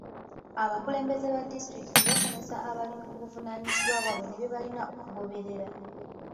Abakulembeze ba disitulikiti baasomesa abalimi ku buvanaanyizibwa bwabwe ne bye balina okugoberera.